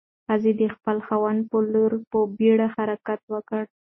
ښځې د خپل خاوند په لور په بیړه حرکت وکړ.